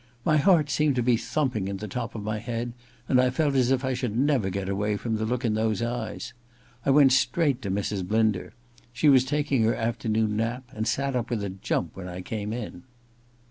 My heart seemed to be thumping in the top of my head, and I felt as if I should never get away from the look in those eyes. I went Ill THE LADY'S MAID'S BELL 145 straight to Mrs. Blinder. She was taking her afternoon nap, and sat up with a jump when I came in.